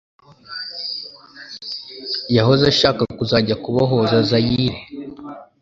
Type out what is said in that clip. Yahoze ashaka kuzajya kubohoza Zaïre